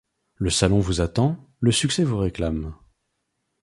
Le salon vous attend! le succès vous réclame !